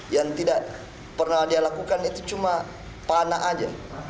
yang tidak pernah dia lakukan itu cuma panah aja